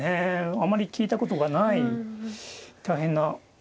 あまり聞いたことがない大変なえ